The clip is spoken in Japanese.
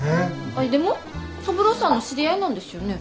アイでも三郎さんの知り合いなんですよね？